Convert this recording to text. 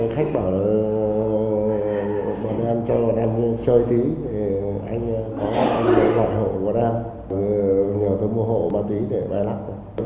khách bảo bọn em chơi bọn em chơi thí anh hỏi hỏi bọn em nhờ tôi mua hộ ma túy để bài lặng